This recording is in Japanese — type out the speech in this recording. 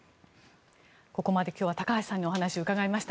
ここまで今日は高橋さんにお話をお伺いしました。